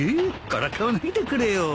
からかわないでくれよ。